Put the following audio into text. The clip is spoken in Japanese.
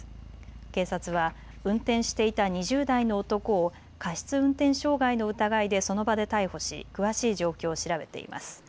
警察は運転していた２０代の男を過失運転傷害の疑いでその場で逮捕し詳しい状況を調べています。